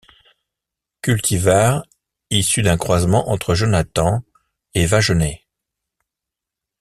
Cultivar issu d'un croisement entre Jonathan et Wagener.